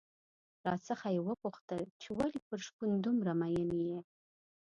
راڅخه یې وپوښتل چې ولې پر شپون دومره مين يې؟